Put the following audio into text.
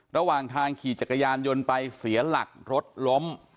ระหว่างทางขี่จักรยานยนต์ไปเสียหลักรถล้ม